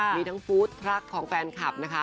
มีทั้งฟู้ดทรัคของแฟนคลับนะคะ